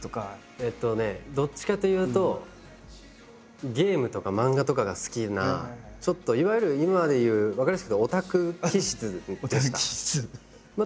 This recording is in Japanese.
えっとねどっちかというとゲームとか漫画とかが好きなちょっといわゆる今でいう分かりやすくいうとオタク気質でした。